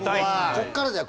ここからだよ